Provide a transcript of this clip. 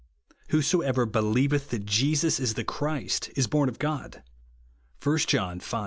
"Whosoever believeth that Jesus is the Christ, is born of God," (I John v.